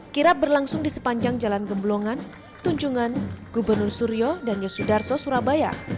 kirap berlangsung di sepanjang jalan gemblongan tunjungan gubernur suryo dan yosudarso surabaya